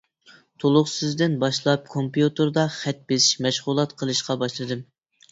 تولۇقسىزدىن باشلاپ كومپيۇتېردا خەت بېسىش، مەشغۇلات قىلىشقا باشلىدىم.